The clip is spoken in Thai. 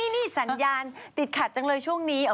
นี่สัญญาณติดขัดจังเลยช่วงนี้